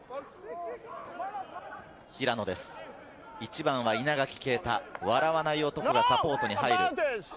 １番は稲垣啓太、笑わない男がサポートに入る。